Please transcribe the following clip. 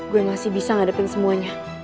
gue masih bisa ngadepin semuanya